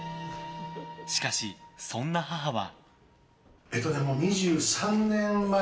しかし、そんな母は。